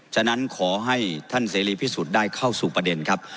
ฉะนั้นขอให้ท่านเสรีพิสุทธิ์ได้เข้าสู่ประเด็นครับ